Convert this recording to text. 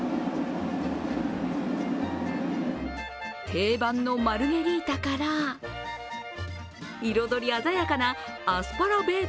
定番のマルゲリータから彩り鮮やかなアスパラべー